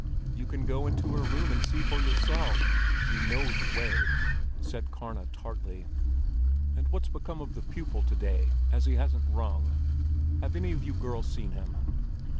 "You can go into her room and see for yourself; you know the way!" said Karna tartly. "And what's become of the pupil to day, as he hasn't rung?" said Karl Johan. "Have any of you girls seen him?"